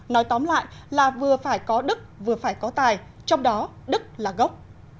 nói tóm lại là vừa phải có đức vừa phải có tài trong đó đức là gốc